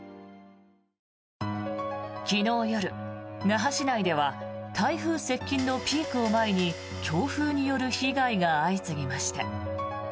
昨日夜、那覇市内では台風接近のピークを前に強風による被害が相次ぎました。